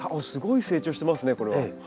すごい成長してますねこれは。